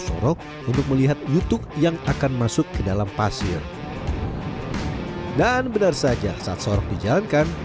sorok untuk melihat youtuk yang akan masuk ke dalam pasir dan benar saja saat sorok dijalankan